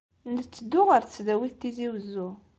Netteddu ɣer Tesdawit n Tizi Wezzu.